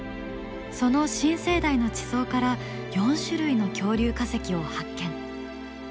その新生代の地層から４種類の恐竜化石を発見。